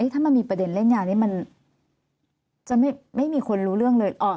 ถ้ามันมีประเด็นเล่นยานี้มันจะไม่มีคนรู้เรื่องเลย